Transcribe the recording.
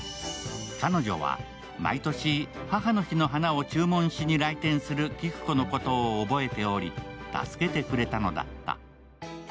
彼女は毎年、母の日の花を注文しに来店する紀久子のことを覚えており助けてくれたのだった。